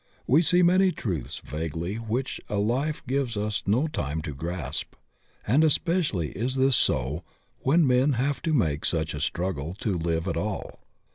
We see many truths vaguely which a Ufe gives us no time to grasp, and especially is this so when men have to make such a struggle to live at all.